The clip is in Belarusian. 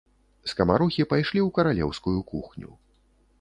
Скамарохі пайшлі ў каралеўскую кухню.